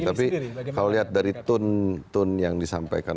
tapi kalau lihat dari tone tone yang disampaikan